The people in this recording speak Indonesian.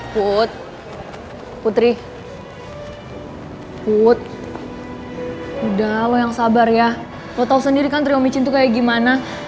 put putri put udah lo yang sabar ya lo tahu sendiri kan trio micin tuh kayak gimana